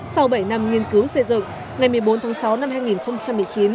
sau bảy năm nghiên cứu xây dựng ngày một mươi bốn tháng sáu năm hai nghìn một mươi chín